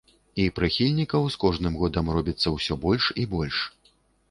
І прыхільнікаў з кожным годам робіцца ўсё больш і больш.